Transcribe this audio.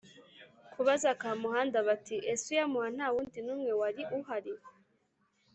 kubaza Kamuhanda bati: “Ese uyamuha nta muntu n’umwe wari uhari